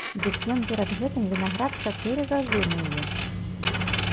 Дык ён перад гэтым вінаград чатыры разы мые.